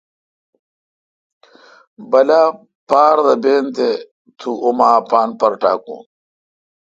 بلا پار دہ بین تے تو اما اپان پر ٹاکون۔